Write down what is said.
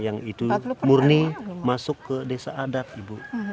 yang itu murni masuk ke desa adat ibu